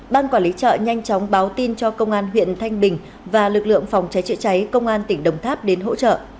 ban quản lý chợ nhanh chóng báo tin cho công an huyện thanh bình và lực lượng phòng cháy chữa cháy công an tỉnh đồng tháp đến hỗ trợ